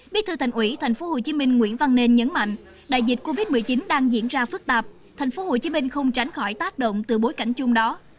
bí thư thành ủy tp hcm nguyễn văn nên nhấn mạnh đại dịch covid một mươi chín đang diễn ra phức tạp tp hcm không tránh khỏi tác động từ bối cảnh chung đó